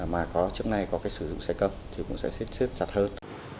mà có trước nay có cái sử dụng xe công thì cũng sẽ xiết xếp chặt hơn